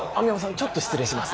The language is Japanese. ちょっと失礼します。